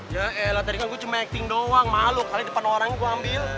ya eh tadinya gue cuma acting doang malu kali depan orang gue ambil